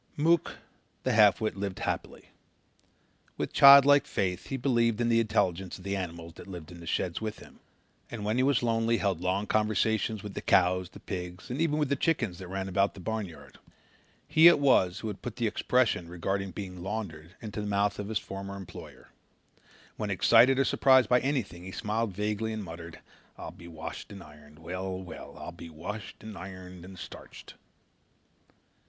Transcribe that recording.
Mook the half wit lived happily. With childlike faith he believed in the intelligence of the animals that lived in the sheds with him, and when he was lonely held long conversations with the cows, the pigs, and even with the chickens that ran about the barnyard. He it was who had put the expression regarding being "laundered" into the mouth of his former employer. When excited or surprised by anything he smiled vaguely and muttered: "I'll be washed and ironed. Well, well, I'll be washed and ironed and starched."